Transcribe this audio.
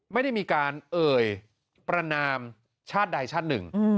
ไม่ได้มีการเอ่ยประนามชาติใดชาติหนึ่ง